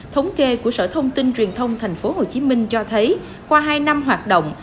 thống kê của sở thông tin truyền thông tp hcm cho thấy qua hai năm hoạt động